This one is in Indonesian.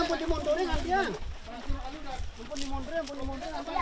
apanya ituk ani tak bisa digunungkan aja